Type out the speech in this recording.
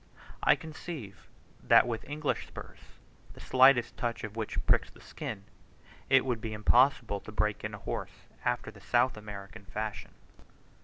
I conceive that with English spurs, the slightest touch of which pricks the skin, it would be impossible to break in a horse after the South American fashion.